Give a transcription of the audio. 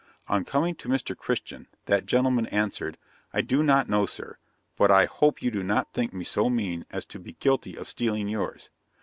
On coming to Mr. Christian, that gentleman answered, "I do not know, Sir, but I hope you do not think me so mean as to be guilty of stealing yours."